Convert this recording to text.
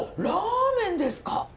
ラーメンですか？